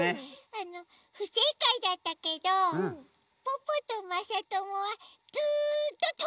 あのふせいかいだったけどポッポとまさともはずっとともだち。